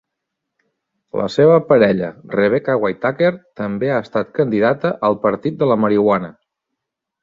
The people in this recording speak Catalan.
La seva parella, Rebecca Whittaker, també ha estat candidata al Partit de la marihuana.